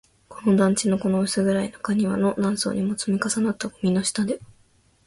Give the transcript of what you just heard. この団地の、この薄暗い中庭の、何層にも積み重なったゴミの下で